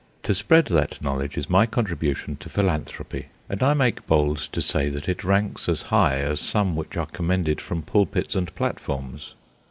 To spread that knowledge is my contribution to philanthropy, and I make bold to say that it ranks as high as some which are commended from pulpits and platforms.